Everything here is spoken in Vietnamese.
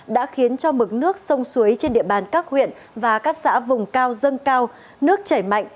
đã khiến cho mực nước sông suối trên địa bàn các huyện và các xã vùng cao dâng cao nước chảy mạnh